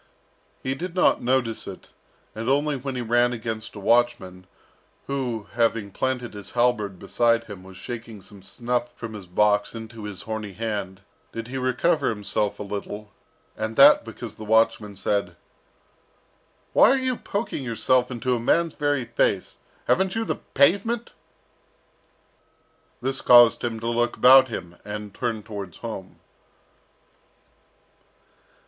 He did not notice it, and only when he ran against a watchman, who, having planted his halberd beside him, was shaking some snuff from his box into his horny hand, did he recover himself a little, and that because the watchman said, "Why are you poking yourself into a man's very face? Haven't you the pavement?" This caused him to look about him, and turn towards home.